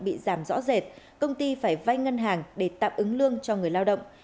bị giảm rõ rệt công ty phải vay ngân hàng để tạm ứng lương cho người lao động